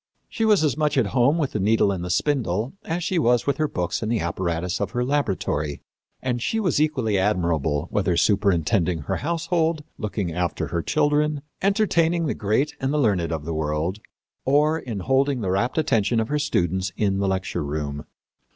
She was as much at home with the needle and the spindle as she was with her books and the apparatus of her laboratory. And she was equally admirable whether superintending her household, looking after her children, entertaining the great and the learned of the world, or in holding the rapt attention of her students in the lecture room.